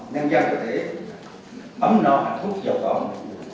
năng dân có thể ấm nó hạ thúc dầu cộng